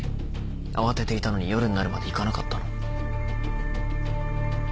慌てていたのに夜になるまで行かなかったの？